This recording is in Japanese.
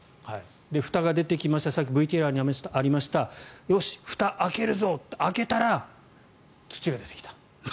ふたが出てきましたさっきＶＴＲにありましたよし、ふたを開けるぞ開けたら土が出てきた。